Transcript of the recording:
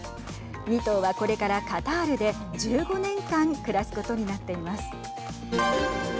２頭はこれからカタールで１５年間暮らすことになっています。